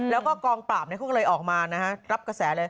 แล้วก็กรรมปลาบออกมาครับ